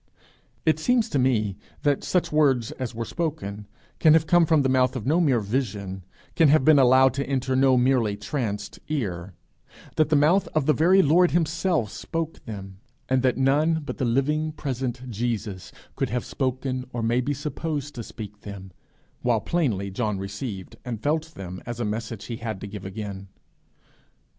It seems to me that such words as were spoken can have come from the mouth of no mere vision, can have been allowed to enter no merely tranced ear, that the mouth of the very Lord himself spoke them, and that none but the living present Jesus could have spoken or may be supposed to speak them; while plainly John received and felt them as a message he had to give again.